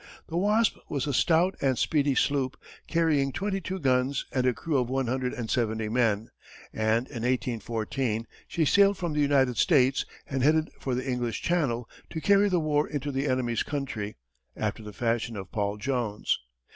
The Wasp was a stout and speedy sloop, carrying twenty two guns and a crew of one hundred and seventy men, and in 1814 she sailed from the United States, and headed for the English Channel, to carry the war into the enemy's country, after the fashion of Paul Jones.